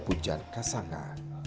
di puncak kasanga